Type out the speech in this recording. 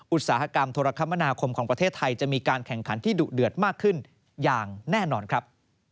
อุตสาหกรรมโทรคมนาคมของประเทศไทยจะมีการแข่งขันที่ดุเดือดมากขึ้นอย่างแน่นอนครับ